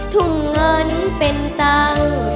ทุ่มเงินเป็นตังค์